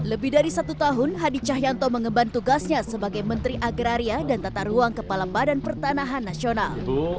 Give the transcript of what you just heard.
lebih dari satu tahun hadi cahyanto mengemban tugasnya sebagai menteri agraria dan tata ruang kepala badan pertanahan nasional